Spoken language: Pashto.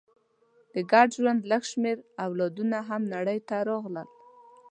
د ګډ ژوند لږ شمېر اولادونه هم نړۍ ته راغلل.